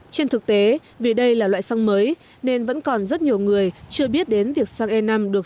trên thực tế vì đây là loại xăng mới nên vẫn còn rất nhiều người chưa biết đến việc xăng e năm được